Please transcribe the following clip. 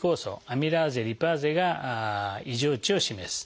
アミラーゼリパーゼが異常値を示す。